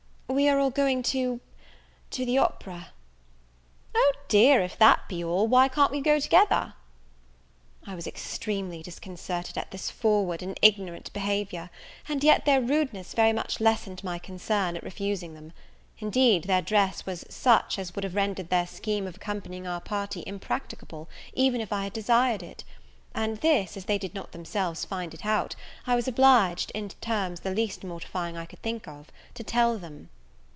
"We are all going to to the opera." "O dear, if that be all, why can't we go altogether?" I was extremely disconcerted at this forward and ignorant behaviour, and yet their rudeness very much lessened my concern at refusing them. Indeed, their dress was such as would have rendered their scheme of accompanying our party impracticable, even if I had desired it; and this, as they did not themselves find it out, I was obliged, in terms the least mortifying I could think of, to tell them.